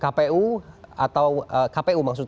komisi pemilihan umum kpu atau kpu pemerintah